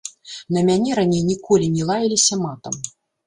На мяне раней ніколі не лаяліся матам.